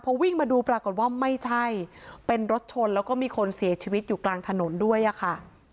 พอวิ่งมาดูปรากฏว่าไม่ใช่เป็นรถชนแล้วก็มีคนเสียชีวิตอยู่กลางถนนด้วยอะค่ะ